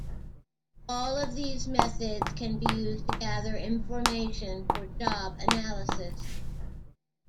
All of these methods can be used to gather information for job analysis.